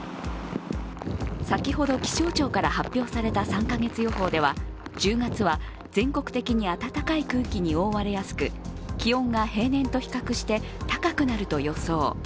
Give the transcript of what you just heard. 先ほど、気象庁から発表された３か月予報では１０月は全国的に暖かい空気に覆われやすく気温が平年と比較して高くなると予想。